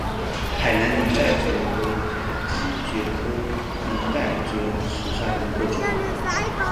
海南鳞盖蕨为姬蕨科鳞盖蕨属下的一个种。